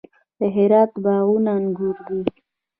د هرات باغونه انګور دي